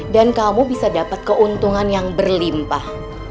dan kamu bisa dapat keuntungan yang berlimpah